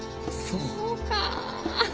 そうか！